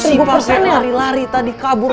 lu sih pake lari lari tadi kabur